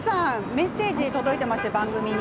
メッセージ届いてますよ、番組に。